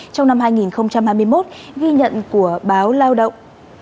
trong năm hai nghìn hai mươi một ghi nhận của báo lao động